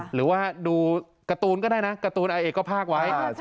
หรือว่าดูการ์ตูนก็ได้นะการ์ตูนอาเอกภาคไว้